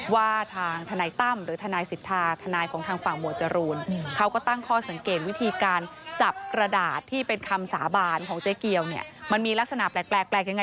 ว่าทางทนายตั้มหรือทนายศิษฐา